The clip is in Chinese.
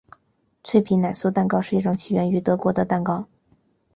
脆皮奶酥蛋糕是一种起源于德国的蛋糕。